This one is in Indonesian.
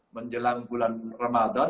menjelang bulan ramadhan